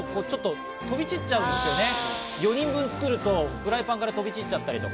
飛び散っちゃうんですよね、４人分作るとフライパンから飛び散っちゃったりとか。